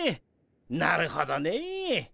なるほどね。